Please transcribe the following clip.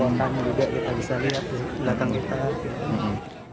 pemandangan juga bisa kita lihat di belakang kita